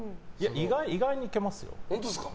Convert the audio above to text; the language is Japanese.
意外にいけますよ。